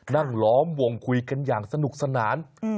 ล้อมวงคุยกันอย่างสนุกสนาน